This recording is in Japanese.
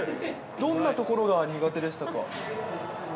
どんなところが苦手でしたか？